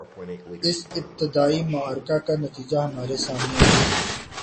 اس ابتدائی معرکے کا نتیجہ ہمارے سامنے ہے۔